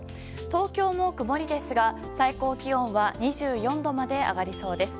東京も曇りですが、最高気温は２４度まで上がりそうです。